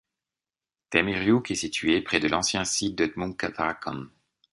Temriouk est située près de l'ancien site de Tmoutarakan.